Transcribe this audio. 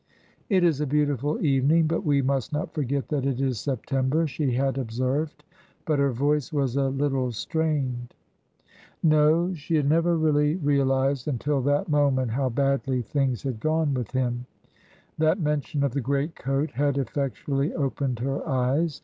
"It is a beautiful evening, but we must not forget that it is September," she had observed. But her voice was a little strained. No, she had never really realised until that moment how badly things had gone with him; that mention of the great coat had effectually opened her eyes.